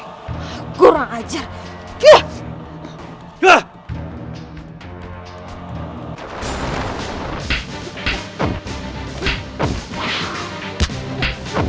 aku tidak ingin memiliki ibu iblis seperti mu